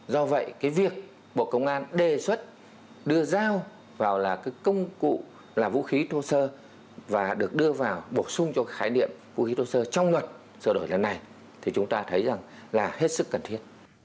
do vậy cái việc bộ công an đề xuất đưa dao vào là cái công cụ là vũ khí thô sơ và được đưa vào bổ sung cho khái niệm vũ khí thô sơ trong luật sửa đổi lần này thì chúng ta thấy rằng là hết sức cần thiết